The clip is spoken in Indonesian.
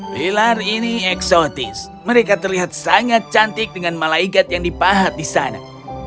pilar ini eksotis mereka terlihat sangat cantik dengan malaikat yang dipahat di sana